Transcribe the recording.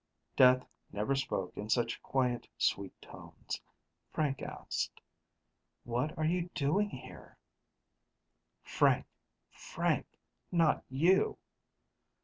Death never spoke in such quiet, sweet tones. Frank asked, "What are you doing here?" _Frank, Frank, not you!